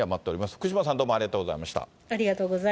福島さん、どうもありがとうございました。